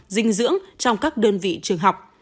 dinh dưỡng trong các đơn vị trường học